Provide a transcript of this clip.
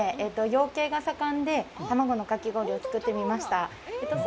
養鶏が盛んで、卵のかき氷を作ってみました。